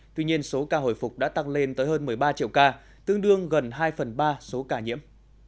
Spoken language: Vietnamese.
tuy nhiên số ca hồi phục đã tăng lên tới hơn một mươi ba triệu ca tương đương gần hai phần ba số ca nhiễm